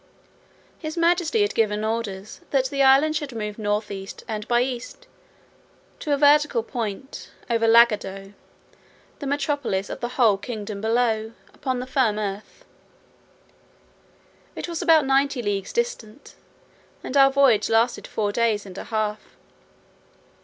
His majesty had given orders, that the island should move north east and by east, to the vertical point over Lagado, the metropolis of the whole kingdom below, upon the firm earth. It was about ninety leagues distant, and our voyage lasted four days and a half.